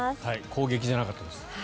攻撃じゃなかったです。